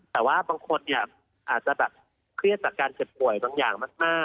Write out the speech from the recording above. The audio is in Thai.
แต่ว่าบางคนเนี่ยอาจจะแบบเครียดจากการเจ็บป่วยบางอย่างมาก